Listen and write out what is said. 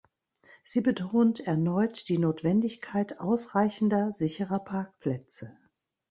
Sie betont erneut die Notwendigkeit ausreichender, sicherer Parkplätze.